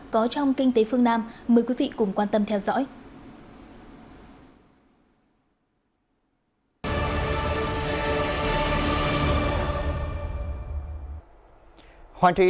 có trong kinh tế phương nam mời quý vị cùng quan tâm theo dõi